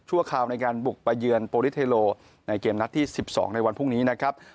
คราวในการบุกไปเยือนโปรลิสเทโลในเกมนัดที่๑๒ในวันพรุ่งนี้นะครับ